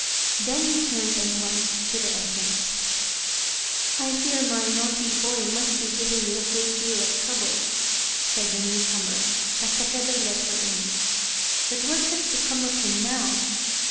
Then he turned and went to the entrance. " I fear my naughty boy must be giving you a great deal of trouble," said the new comer, as Takebe let her in, " but what has become of him now